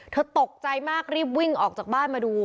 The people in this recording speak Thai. ตกใจมากรีบวิ่งออกจากบ้านมาดู